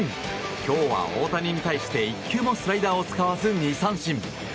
今日は大谷に対して、１球もスライダーを使わず２三振。